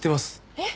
えっ？